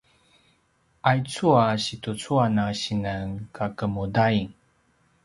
aicu a situcuan a sinan kakemudain